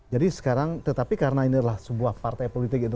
jadi sekarang tetapi karena ini adalah sebuah partai politik